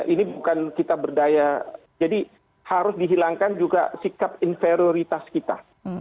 ini bukan kita berdaya jadi harus dihilangkan juga sikap inferioritas kita